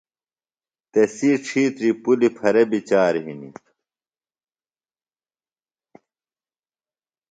تسی ڇِھیتری پُلیۡ پھرہ بیۡ چار ہِنیۡ۔